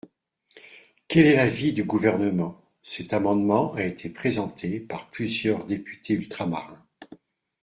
Quel est l’avis du Gouvernement ? Cet amendement a été présenté par plusieurs députés ultramarins.